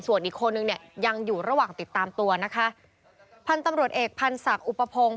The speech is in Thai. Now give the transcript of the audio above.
ส่วนอีกคนนึงเนี่ยยังอยู่ระหว่างติดตามตัวนะคะพันธุ์ตำรวจเอกพันธ์ศักดิ์อุปพงศ์